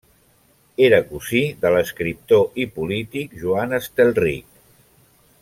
Era cosí de l'escriptor i polític Joan Estelrich.